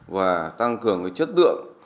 và tăng cường chất lượng